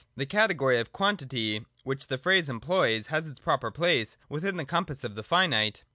The category of quantity which the phrase employs has its proper place within the compass of the finite.